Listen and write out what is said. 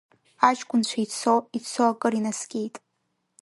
Аҷкәынцәа ицо, ицо, акыр инаскьеит.